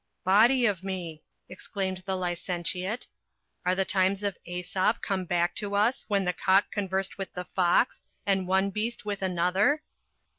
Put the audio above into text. "Body of me!" exclaimed the licentiate, "are the times of Æsop come back to us, when the cock conversed with the fox, and one beast with another?"